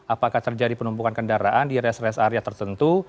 apakah terjadi penumpukan kendaraan di rest rest area tertentu